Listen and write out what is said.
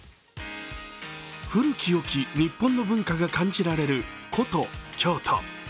ふるきよき日本の文化が感じられる古都・京都。